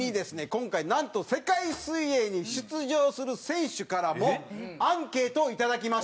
今回なんと世界水泳に出場する選手からもアンケートをいただきました。